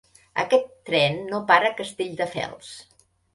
Aquest tren no para a Castelldefels.